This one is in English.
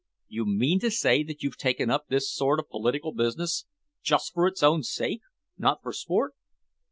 "You mean to say that you've taken up this sort of political business just for its own sake, not for sport?"